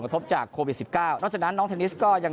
กระทบจากโควิดสิบเก้านอกจากนั้นน้องเทนนิสก็ยัง